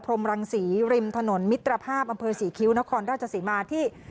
มรังศรีริมถนนมิตรภาพอำเภอศรีคิ้วนครราชศรีมาที่